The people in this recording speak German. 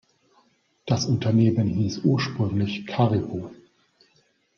Das Unternehmen hieß ursprünglich Caribou.